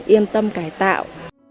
yên tâm cải tạo